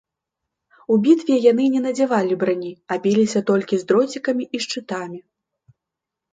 У бітве яны не надзявалі брані, а біліся толькі з дроцікамі і шчытамі.